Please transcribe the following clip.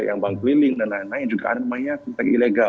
yang bank keliling dan lain lain juga ada namanya tentang ilegal